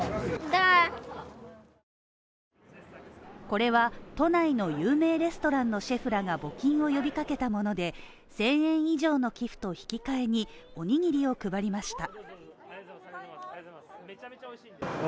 これは都内の有名レストランのシェフらが募金を呼びかけたもので１０００円以上の寄付と引き換えにおにぎりを配りました。